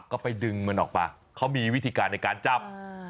ก็ไปดึงมันออกมาเขามีวิธีการในการจับ